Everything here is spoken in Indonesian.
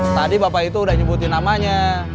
tadi bapak itu sudah menyebutkan namanya